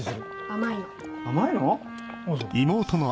甘いの？